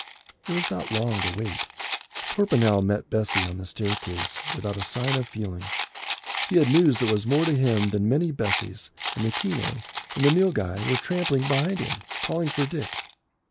It was not long to wait. Torpenhow met Bessie on the staircase without a sign of feeling. He had news that was more to him than many Bessies, and the Keneu and the Nilghai were trampling behind him, calling for Dick.